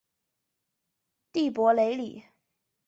蒂珀雷里。